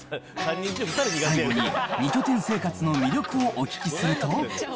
最後に２拠点生活の魅力をお聞きすると。